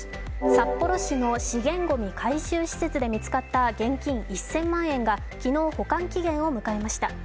札幌市の資源ごみ回収施設で見つかった現金１０００万円が昨日、保管期限を迎えました。